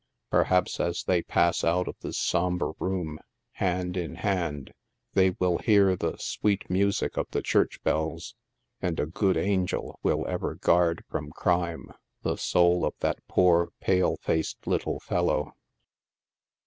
Perhaps as they pass out of this sombre room, hand in hand, they will hear the sweet muuc of the church bells, and a good angel will ever guard from crime the soul of that poor, pale faced little fellow.